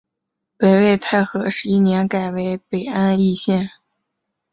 北魏太和十一年改为北安邑县。